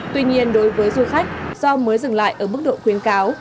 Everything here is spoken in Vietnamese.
tuy nhiên đối với du khách do mới dừng lại ở mức độ khuyến cáo